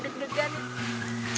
oke di atas